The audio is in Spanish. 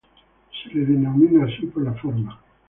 Es denominado así por la forma.